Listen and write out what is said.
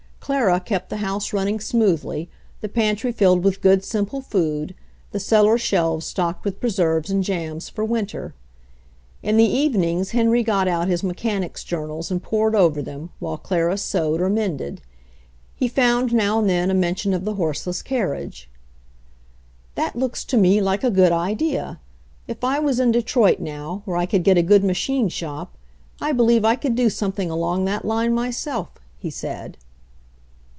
Clara kept the house running smoothly, the pantry filled with good, simple food, the cellar shelves stocked with preserves and jams for winter. In the evenings Henry got out his mechanics' journals and pored over them, while Clara sewed or mended. He found now and then a mention of the horseless carriage. "That looks to me like a good idea. If I was in Detroit now, where I could get a good machine shop, I believe I could do something along that line myself/' he said.